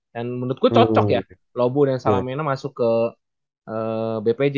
dan menurut gue cocok ya lobu dan salamena masuk ke bpj